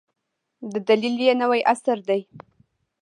د دلیل یې نوی عصر دی.